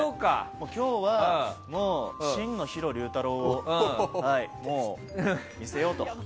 今日は真の弘竜太郎を見せようと。